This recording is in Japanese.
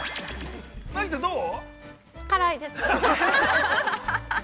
◆ナギちゃん、どう？